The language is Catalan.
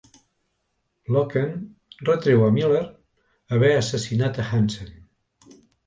Locken retreu a Miller haver assassinat a Hansen.